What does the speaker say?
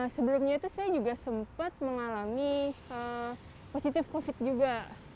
sebelumnya itu saya juga sempat mengalami positif covid juga